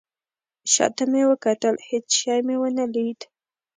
شاته مې وکتل. هیڅ شی مې ونه لید